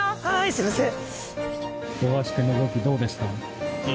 すいません。